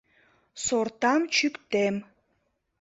— Сортам чӱктем...